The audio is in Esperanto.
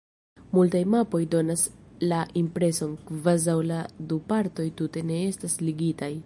Multaj mapoj donas la impreson, kvazaŭ la du partoj tute ne estas ligitaj.